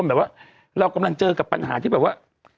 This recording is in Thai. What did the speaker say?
แบบว่าเรากำลังเจอกับปัญหาที่แบบว่า